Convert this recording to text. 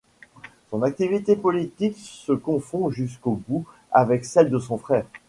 Son activité politique se confond jusqu’au bout avec celle de son frère.